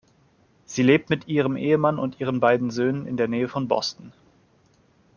Sie lebt mit ihrem Ehemann und ihren beiden Söhnen in der Nähe von Boston.